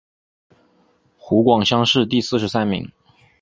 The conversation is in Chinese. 湖广乡试第四十三名。